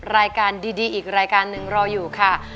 รายการดีอีกรายการหนึ่งรออยู่ค่ะ